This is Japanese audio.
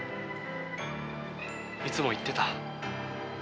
いつも言ってた。